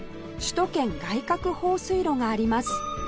首都圏外郭放水路があります